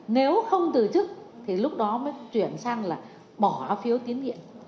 nếu không từ chức thì lúc đó mới chuyển sang là bỏ phiếu tín nhiệm